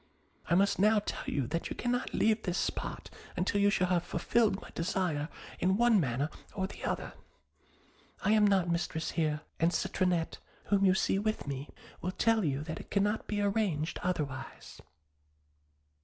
I must now tell you that you cannot leave this spot until you shall have fulfilled my desire in one manner or the other. I am not mistress here; and Citronette, whom you see with me, will tell you that it cannot be arranged otherwise.'